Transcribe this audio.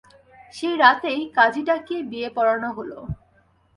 সেই রাতেই কাজী ডাকিয়ে বিয়ে পড়ানো হল।